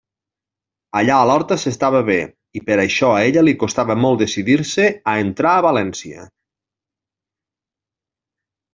Allà a l'horta s'estava bé, i per això a ella li costava molt decidir-se a entrar a València.